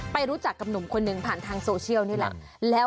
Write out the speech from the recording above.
รู้จักกับหนุ่มคนหนึ่งผ่านทางโซเชียลนี่แหละ